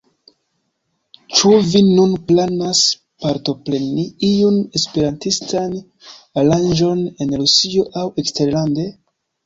Ĉu vi nun planas partopreni iun esperantistan aranĝon en Rusio aŭ eksterlande?